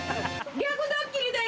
逆ドッキリだよ！